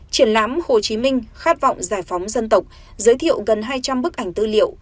triển lãm hồ chí minh khát vọng giải phóng dân tộc giới thiệu gần hai trăm linh bức ảnh tư liệu